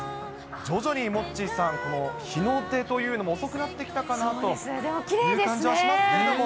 徐々にモッチーさん、もう日の出というのも遅くなってきたかなという感じはしますけども。